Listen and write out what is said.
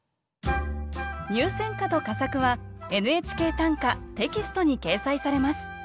入選歌と佳作は「ＮＨＫ短歌」テキストに掲載されます